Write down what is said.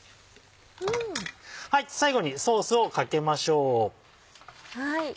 最後にソースをかけましょう。